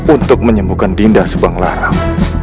untuk menyembuhkan dinda subanglarang